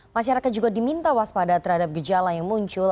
masyarakat juga diminta waspada terhadap gejala yang muncul